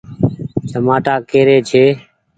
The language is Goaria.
چمآٽآ ڪي ري ڇي ۔